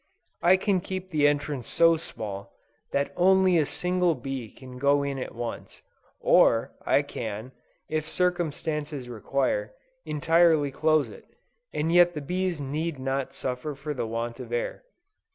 I can keep the entrance so small, that only a single bee can go in at once, or I can, if circumstances require, entirely close it, and yet the bees need not suffer for the want of air.